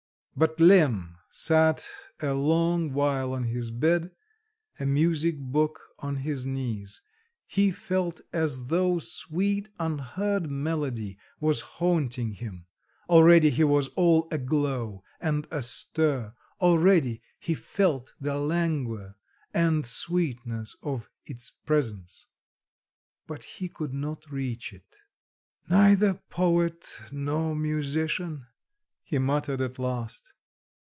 But Lemm sat a long while on his bed, a music book on his knees. He felt as though sweet, unheard melody was haunting him; already he was all aglow and astir, already he felt the languor and sweetness of its presence.. but he could not reach it. "Neither poet nor musician!" he muttered at last...